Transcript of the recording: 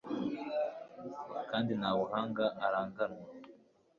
kandi nta buhanga aranganwa